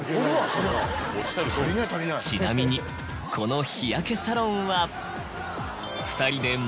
ちなみにこの日焼けサロンは。